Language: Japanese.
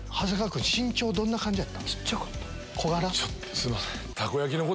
すいません。